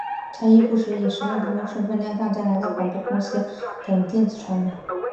她亦不时以时事评论员身份亮相加拿大广播公司英语新闻频道等电子传媒。